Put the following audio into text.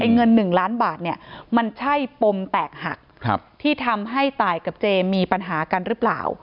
เงิน๑ล้านบาทเนี่ยมันใช่ปมแตกหักที่ทำให้ตายกับเจมีปัญหากันหรือเปล่า